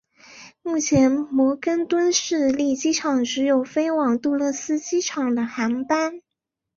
目前摩根敦市立机场只有飞往杜勒斯机场的航班。